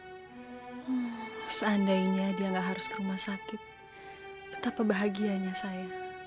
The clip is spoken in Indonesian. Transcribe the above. dia seandainya dia enggak harus rumah sakit betapa bahagianya saya